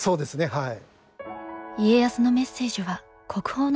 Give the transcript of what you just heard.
はい。